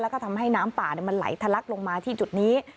แล้วก็ทำให้น้ำป่ามันไหลทะลักลงมาที่จุดนี้